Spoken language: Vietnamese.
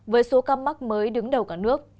với số ca mắc mới đứng đầu cả nước